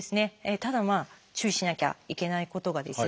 ただ注意しなきゃいけないことがですね